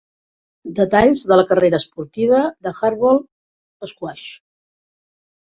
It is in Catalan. Detalls de la carrera esportiva de Hardball Squash.